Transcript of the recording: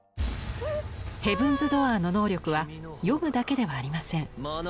「ヘブンズ・ドアー」の能力は読むだけではありません。